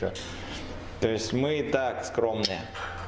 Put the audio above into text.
jadi kita memang sangat sederhana